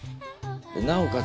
なおかつ